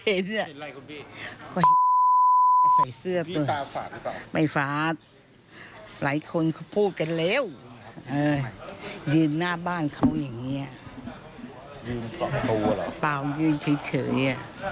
เฮ็ดอะไรก็ใส่เสื้อไปปายฝักหลายคนพูดกันแล้วอยู่หน้าบ้านเขาอย่างนี้เปล่ายืนอยู่เฉย